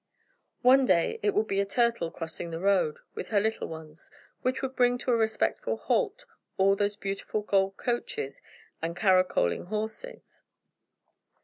One day it would be a turtle crossing the road, with her little ones, which would bring to a respectful halt all those beautiful gold coaches and caracoling horses.